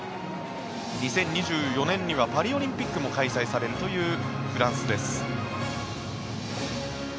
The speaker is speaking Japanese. ２０２４年にはパリオリンピックも開催されるというフランスです。